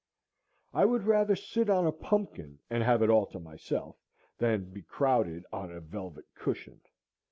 I would rather sit on a pumpkin and have it all to myself than be crowded on a velvet cushion.